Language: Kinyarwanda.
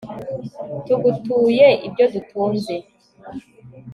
tugutuye ibyo dutunze